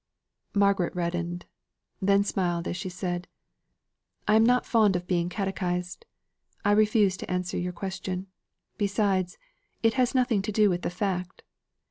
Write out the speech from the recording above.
Margaret reddened; then smiled as she said, "I am not fond of being catechised. I refuse to answer your question. Besides, it has nothing to do with the fact.